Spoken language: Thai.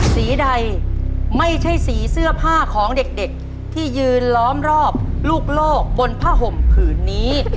สีใดไม่ใช่สีเสื้อผ้าของเด็กที่ยืนล้อมรอบลูกโลกบนผ้าห่มผืนนี้